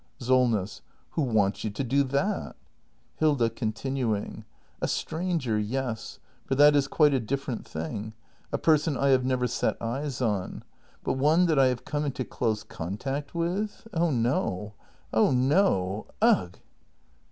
SOLNESS. Who wants you to do that ? Hilda. [Continuing.] A stranger, yes! for that is quite a dif ferent thing! A person I have never set eyes on. But one that I have come into close contact with ! Oh no! Oh no! Ugh!